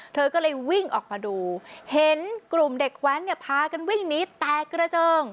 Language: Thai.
เธอก็เลยวิ่งออกมาดูเห็นกลุ่มเด็กแว้นเนี่ยพากันวิ่งหนีแตกกระเจิง